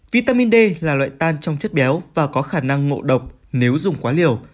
vitamin d là loại tan trong chất béo và có khả năng ngộ độc nếu dùng quá liều